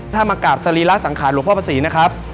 ถ้ามากราบสรีระสังขารหลวงพ่อพระศรีนะครับ